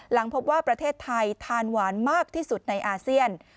หลังพบว่าประเทศไทยทานหวานมากที่สุดในอาเซียน